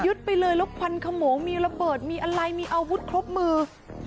ไปเลยแล้วควันขโมงมีระเบิดมีอะไรมีอาวุธครบมือ